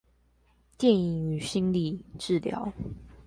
電影與心理治療